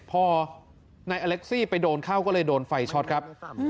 พอนายอเล็กซี่ไปโดนเข้าก็เลยโดนไฟช็อตครับ